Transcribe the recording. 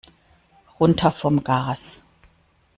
Runter vom Gas!